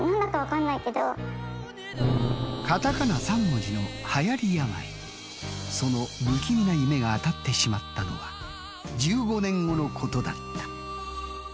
そのときその不気味な夢が当たってしまったのは１５年後のことだった。